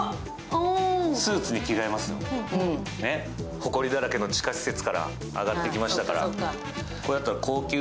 ほこりだらけの地下施設から上がってきましたから。